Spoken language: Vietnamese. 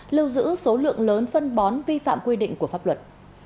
lưu giữ số lượng lớn phân bón vi phạm quy định của pháp luật